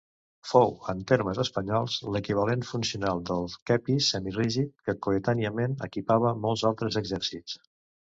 Fou, en termes espanyols, l'equivalent funcional del quepis semirígid que coetàniament equipava molts altres exèrcits.